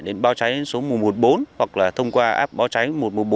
đến báo cháy số một trăm một mươi bốn hoặc là thông qua app báo cháy một trăm một mươi bốn